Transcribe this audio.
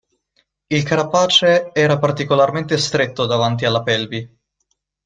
Il carapace era particolarmente stretto davanti alla pelvi.